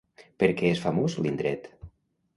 Per què és famós l'indret?